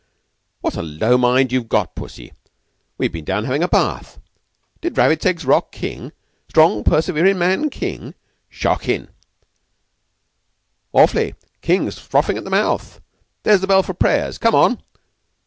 "What a low mind you've got, Pussy! We've been down having a bath. Did Rabbits Eggs rock King? Strong, perseverin' man King? Shockin'!" "Awf'ly. King's frothing at the mouth. There's bell for prayers. Come on."